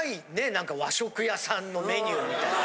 何か和食屋さんのメニューみたいな。